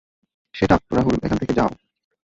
শেট আপ রাহুল এখান থেকে যাও।